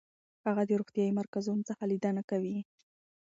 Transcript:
هغه د روغتیايي مرکزونو څخه لیدنه کوي.